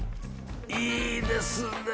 いいですね。